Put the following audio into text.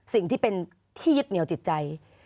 สิ่งที่เป็นที่ยึดเหนียวจิตใจ